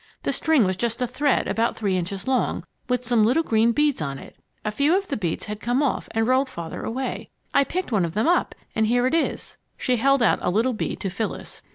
The string was just a thread about three inches long, with some little green beads on it. A few of the beads had come off it and rolled farther away. I picked one of them up, and here it is." She held out a little bead to Phyllis.